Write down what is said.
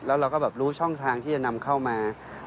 แล้วเราก็แบบรู้ช่องทางที่จะนำเข้ามา